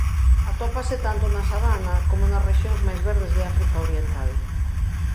Atópase tanto na sabana como nas rexións máis verdes de África oriental.